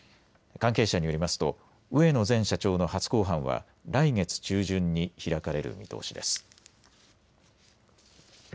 関係者によりますと植野前社長の初公判は来月中旬に開かれる見通しです。